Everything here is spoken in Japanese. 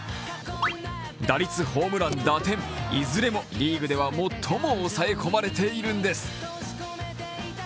打率、ホームラン、打点いずれもリーグでは最も抑え込まれているんです。